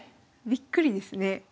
びっくりですね。